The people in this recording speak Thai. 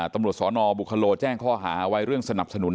ตำรวจสนบุคโลแจ้งข้อหาไว้เรื่องสนับสนุน